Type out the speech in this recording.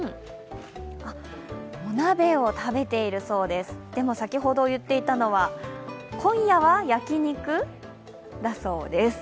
お鍋を食べているそうです、でも先ほど言っていたのは、今夜は焼き肉だそうです。